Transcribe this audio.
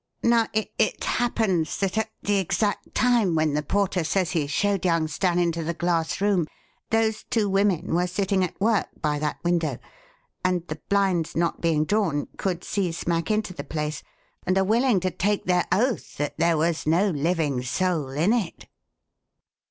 Now, it happens that at the exact time when the porter says he showed young Stan into the glass room those two women were sitting at work by that window, and, the blinds not being drawn, could see smack into the place, and are willing to take their oath that there was no living soul in it."